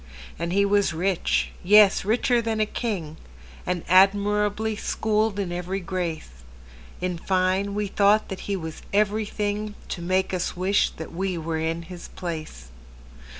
And he was rich,—yes, richer than a king,—And admirably schooled in every grace:In fine, we thought that he was everythingTo make us wish that we were in his place.